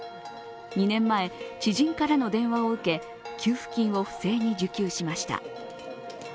２年前、知人からの電話を受け給付金を不正に受給しました。